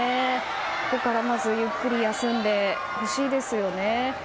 ここからまず、ゆっくり休んでほしいですよね。